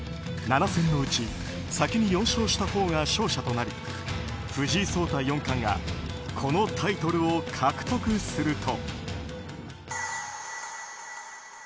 ７戦のうち先に４勝したほうが勝者となり藤井聡太四冠がこのタイトルを獲得すると。